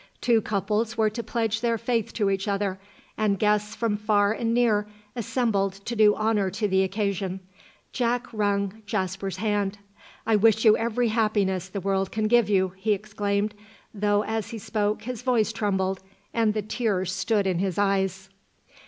Two couples were to pledge their faith to each other, and guests from far and near assembled to do honour to the occasion. Jack wrung Jasper's hand. "I wish you every happiness the world can give you!" he exclaimed, though as he spoke his voice trembled and the tears stood in his eyes.